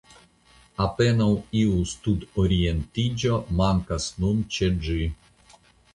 Apenaŭ iu studorientiĝo mankas nun ĉe ĝi.